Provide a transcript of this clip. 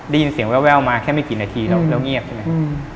ได้ยินเสียงแววมาแค่ไม่กี่นาทีแล้วเงียบใช่ไหม